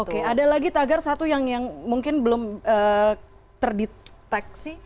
oke ada lagi tagar satu yang mungkin belum terdeteksi